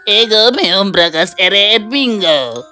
aku memang beragas keren bingung